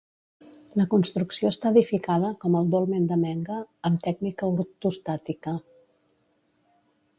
La construcció està edificada, com el dolmen de Menga, amb tècnica ortostàtica.